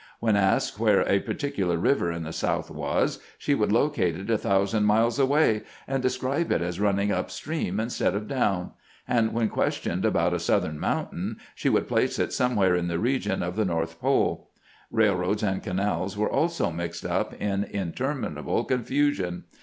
"When asked where a particular river in the South was, she would locate it a thousand miles away, and describe it as running up stream instead of down ; and when questioned about a Southern mountain she would place it somewhere in the region of the north pole. EaUroads and canals were also mixed up in in terminable confusion.